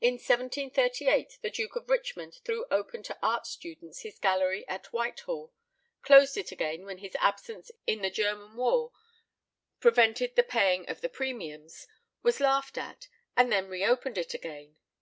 In 1738 the Duke of Richmond threw open to art students his gallery at Whitehall, closed it again when his absence in the German war prevented the paying of the premiums, was laughed at, and then re opened it again.